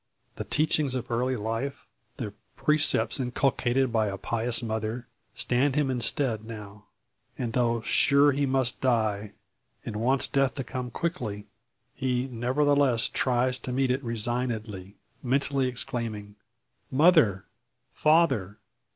The teachings of early life, the precepts inculcated by a pious mother, stand him in stead now. And though sure he must die, and wants death to come quickly, he nevertheless tries to meet it resignedly, mentally exclaiming: "Mother! Father!